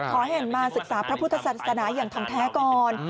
ขอเห็นมาศึกษาพระพุทธศาสนาอย่างทองแท้ก่อน